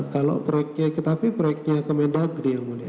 kalau proyeknya tapi proyeknya ke mendagri yang mulia